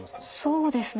そうですね